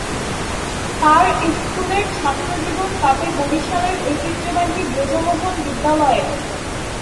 তার স্কুলের ছাত্রজীবন কাটে বরিশালের ঐতিহ্যবাহী ব্রজমোহন বিদ্যালয়ে।